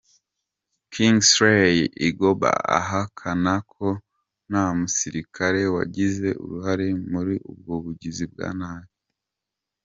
Kingsley Egbo ahakana ko nta musirikare wagize uruhare muri ubwo bugizi bwa nabi.